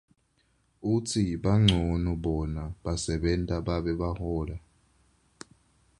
Utsi bancono bona basebenta babe bahola.